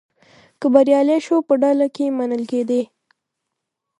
که بریالی شو په ډله کې منل کېدی.